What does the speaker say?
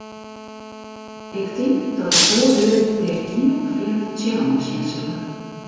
Ik tink dat in soad lju dêr hiel frjemd tsjinoan sjen sille.